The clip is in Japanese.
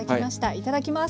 いただきます。